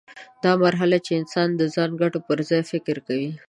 دا مرحله چې انسان د ځان ګټو پر ځای فکر کوي.